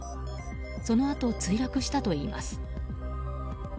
そのあと墜落したといいます。